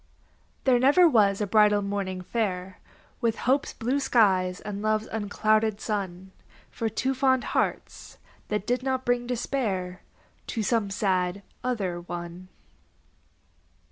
There never was a bridal morning fair With hope's blue skies and love's unclouded sun For two fond hearts, that did not bring despair To some sad other one.